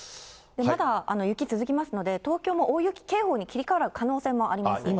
まだ雪続きますので、東京も大雪警報に切り替わる可能性もあります。